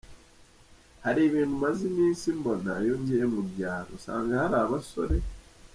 Hari ibintu maze iminsi mbona iyo ngiye mu byaro, usanga hari abasore